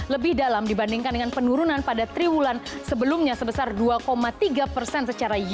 lebih dalam dibandingkan dengan penurunan pada triwulan sebelumnya sebesar dua tiga persen secara year